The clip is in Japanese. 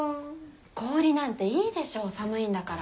氷なんていいでしょ寒いんだから。